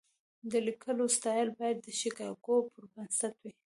د لیکلو سټایل باید د شیکاګو پر بنسټ وي.